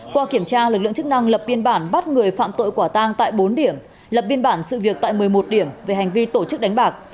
qua kiểm tra lực lượng chức năng lập biên bản bắt người phạm tội quả tang tại bốn điểm lập biên bản sự việc tại một mươi một điểm về hành vi tổ chức đánh bạc